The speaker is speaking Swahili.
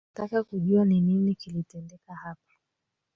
Nataka kujua ni nini kilitendeka hapa